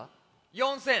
４，０００。